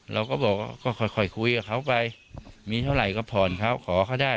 เราก็บอกว่าก็ค่อยคุยกับเขาไปมีเท่าไหร่ก็ผ่อนเขาขอเขาได้